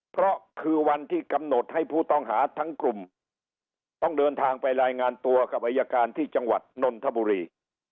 เพราะคือวันที่กำหนดให้ผู้ต้องหาทั้งกลุ่มต้องเดินทางไปรายงานตัวกับอายการที่จังหวัดนนทบุรี